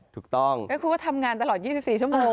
คุณก็ทำงานตลอด๒๔ชั่วโมง